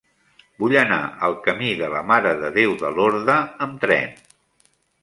Vull anar al camí de la Mare de Déu de Lorda amb tren.